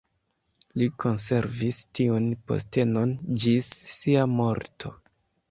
Li konservis tiun postenon ĝis sia morto.